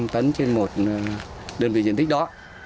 năm tấn trên một đơn vị diện tích đó